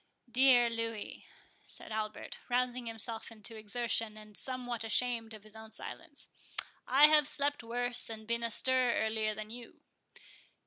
"Dear Louis," said Albert, rousing himself into exertion, and somewhat ashamed of his own silence, "I have slept worse, and been astir earlier than you."